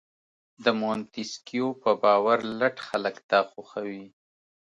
د مونتیسکیو په باور لټ خلک دا خوښوي.